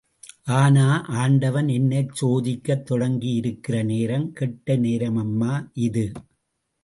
ஆனா, ஆண்டவன் என்னைச் சோதிக்கத் தொடங்கியிருக்கிற நேரம் கெட்ட நேரமம்மா இது!...